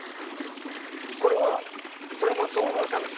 これは、それも想像したんです。